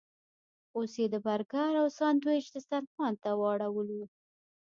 اوس یې د برګر او ساندویچ دسترخوان ته واړولو.